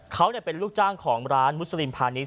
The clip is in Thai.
เขาเป็นลูกจ้างของร้านมุสลิมพานิส